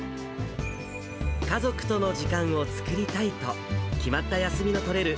家族との時間を作りたいと、決まった休みのとれる